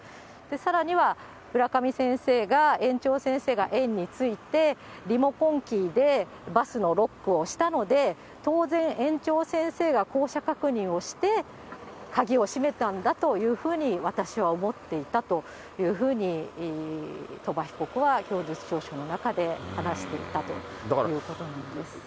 さらには浦上先生が、園長先生が園に着いてリモコンキーでバスのロックをしたので、当然、園長先生が降車確認をして、鍵を閉めたんだというふうに私は思っていたというふうに鳥羽被告は供述調書の中で話していたということなんです。